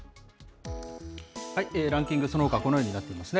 ランキング、そのほか、このようになっていますね。